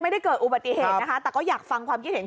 ไม่ได้เกิดอุบัติเหตุนะคะแต่ก็อยากฟังความคิดเห็น